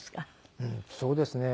そうですね。